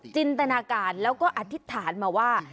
จินตนาการแล้วก็อธิษฐานมาว่า